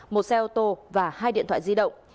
một xe ô tô và hai điện thoại di động